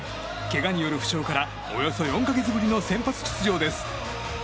けがによる負傷からおよそ４か月ぶりの先発出場です。